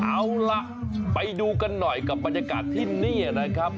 เอาล่ะไปดูกันหน่อยกับบรรยากาศที่นี่นะครับ